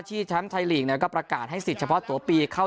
ที่ชั้นไทลี่ค์เนี้ยก็ประกาศให้สิทธิ์เฉพาะตัวปรีเข้า